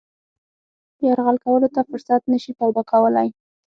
یرغل کولو ته فرصت نه شي پیدا کولای.